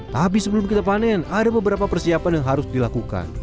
tapi sebelum kita panen ada beberapa persiapan yang harus dilakukan